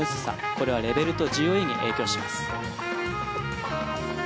これはレベルとＧＯＥに影響します。